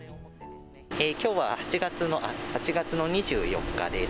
きょうは８月の２４日です。